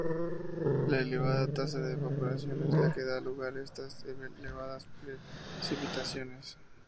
La elevada tasa de evaporación es la que da lugar a estas elevadas precipitaciones.